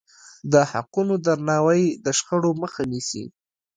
د حقونو درناوی د شخړو مخه نیسي.